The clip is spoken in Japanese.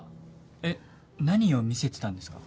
えっ何を見せてたんですか？